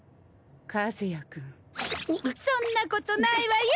和也君そんなことないわよ。